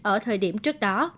ở thời điểm trước đó